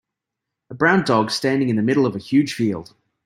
a brown dog standing in the middle of a huge field.